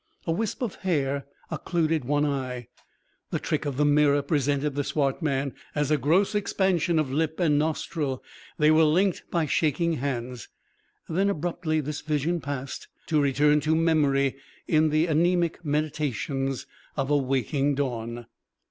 A wisp of hair occluded one eye. The trick of the mirror presented the swart man as a gross expansion of lip and nostril. They were linked by shaking hands. Then abruptly this vision passed to return to memory in the anæmic meditations of a waking dawn.